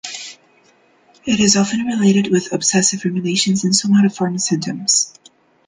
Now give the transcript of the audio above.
It is often related with obsessive ruminations and somatoform symptoms.